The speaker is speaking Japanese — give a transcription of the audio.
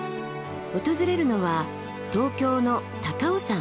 訪れるのは東京の高尾山。